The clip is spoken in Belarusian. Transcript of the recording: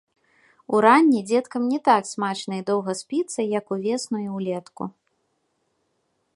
Уранні дзеткам не так смачна і доўга спіцца, як увесну і ўлетку.